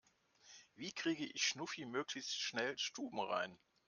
Wie kriege ich Schnuffi möglichst schnell stubenrein?